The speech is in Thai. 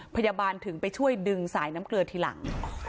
พยาบาลถึงไปช่วยดึงสายน้ำเกลือทีหลัง